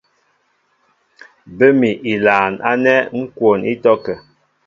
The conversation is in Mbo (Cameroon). Bə́ mi ilaan ánɛ́ ŋ́ kwoon ítɔ́kə̂.